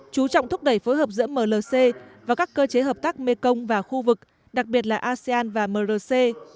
chú trọng thúc đẩy phối hợp giữa mlc và các cơ chế hợp tác mekong và khu vực đặc biệt là asean và mrc